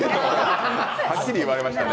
はっきり言われましたね。